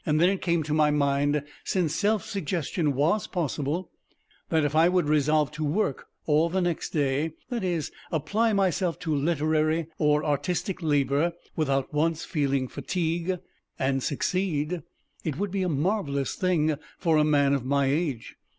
Then it came to my mind since Self Suggestion was possible that if I would resolve to work all the next day; that is, apply myself to literary or artistic labor without once feeling fatigue, and succeed, it would be a marvelous thing for a man of my age.